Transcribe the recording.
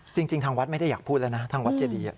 จริงทางวัดไม่ได้อยากพูดแล้วนะทางวัดเจดี